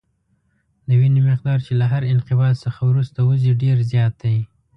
د وینې مقدار چې له هر انقباض څخه وروسته وځي ډېر زیات دی.